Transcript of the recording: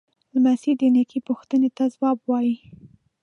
لمسی د نیکه پوښتنې ته ځواب وايي.